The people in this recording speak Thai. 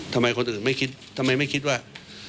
ทำไมคนอื่นไม่คิดว่า